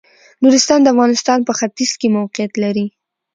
نورستان د افغانستان په ختيځ کې موقيعت لري.